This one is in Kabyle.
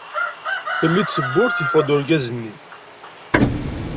Telli-d tewwurt, yeffeɣ-d urgaz-nni.